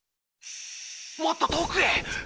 もっと遠くへ。